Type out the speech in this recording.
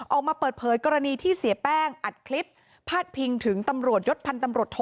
ออกมาเปิดเผยกรณีที่เสียแป้งอัดคลิปพาดพิงถึงตำรวจยศพันธ์ตำรวจโท